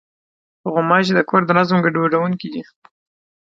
غوماشې د کور د نظم ګډوډوونکې دي.